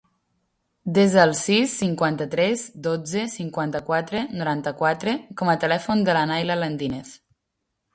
Desa el sis, cinquanta-tres, dotze, cinquanta-quatre, noranta-quatre com a telèfon de la Nayla Lendinez.